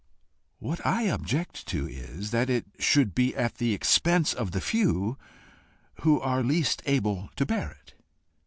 "What I object to is, that it should be at the expense of the few who are least able to bear it."